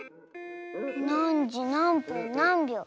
なんじなんぷんなんびょう？